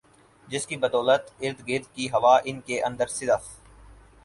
جس کی بدولت ارد گرد کی ہوا ان کے اندر صرف